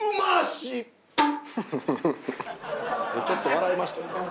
ちょっと笑いましたよ。